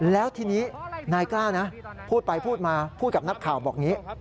แล้วทีนี้นายกล้านะพูดไปพูดมาพูดกับนักข่าวบอกอย่างนี้